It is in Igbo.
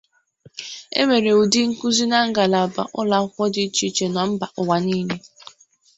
E nwere ndi nkuzi na ngalaba ụlọ akwụkwọ di iche iche na mba ụwa nile.